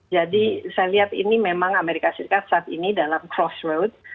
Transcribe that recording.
saya lihat ini memang amerika serikat saat ini dalam crossroad